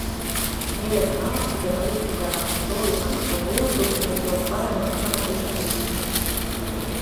Meeled on avatud ja tajud tugevad, loodus annab sulle jõudu ning loob parema õhkkonna teiste mõistmiseks.